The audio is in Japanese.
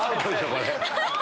これ。